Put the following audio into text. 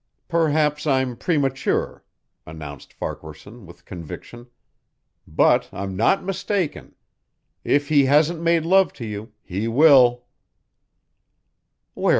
"Perhaps I'm premature," announced Farquaharson with conviction. "But I'm not mistaken. If he hasn't made love to you, he will."